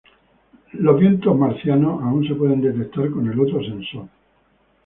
Los vientos marcianos aún se pueden detectar con el otro sensor.